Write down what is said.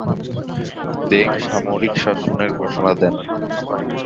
Deng সামরিক শাসনের ঘোষণা দেন।